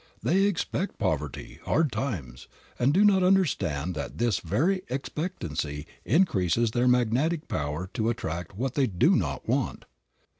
They expect poverty, hard times, and do not understand that this very expectancy increases their magnetic power to attract what they do not want.